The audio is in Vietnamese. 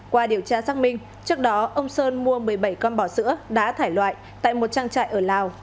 qua điều tra xác minh trước đó ông sơn mua một mươi bảy con bò sữa đã thải loại tại một trang trại ở lào